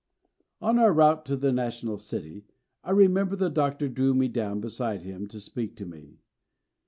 On our route to the national city, I remember the Doctor drew me down beside him to speak to me.